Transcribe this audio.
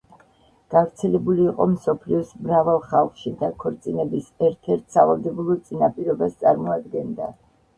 გავრცელებული იყო მსოფლიოს მრავალ ხალხში და ქორწინების ერთ-ერთ სავალდებულო წინაპირობას წარმოადგენდა.